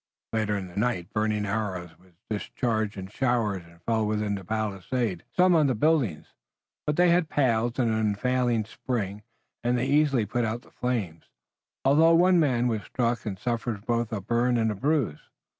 Later in the night burning arrows were discharged in showers and fell within the palisade, some on the buildings. But they had pails, and an unfailing spring, and they easily put out the flames, although one man was struck and suffered both a burn and a bruise.